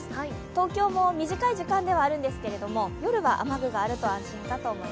東京も短い時間ではあるんですが、夜は雨具があると安心です。